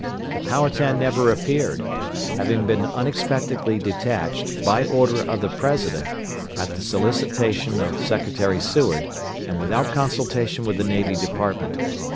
The Powhatan never appeared, having been unexpectedly detached, by order of the President, at the solicitation of Secretary Seward, and without consultation with the Navy Department.